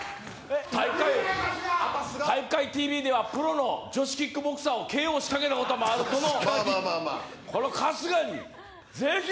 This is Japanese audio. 「体育会ＴＶ」でプロの女子キックボクサーをＫＯしかけたこともある、この春日をぜひ。